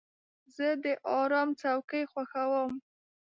زه د آرام څوکۍ خوښوم.